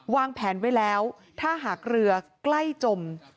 วางแผนไว้แล้วถ้าหากเรือใกล้จม